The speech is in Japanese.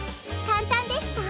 かんたんでした？